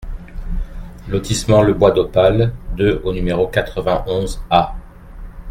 Lotissement Le Bois d'Opale deux au numéro quatre-vingt-onze A